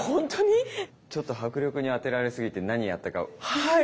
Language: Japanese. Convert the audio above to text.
ちょっと迫力にあてられすぎて何やったか。